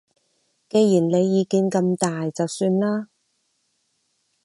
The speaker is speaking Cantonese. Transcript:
既然你意見咁大就算啦